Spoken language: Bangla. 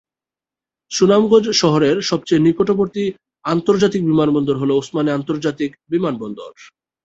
সুনামগঞ্জ শহরের সবচেয়ে নিকটবর্তী আন্তর্জাতিক বিমানবন্দর হলো ওসমানী আন্তর্জাতিক বিমানবন্দর।